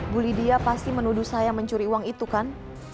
bu lydia pasti menuduh saya mencuri uang itu kan